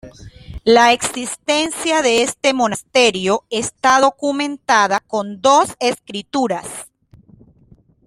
La existencia de este monasterio está documentada con dos escrituras.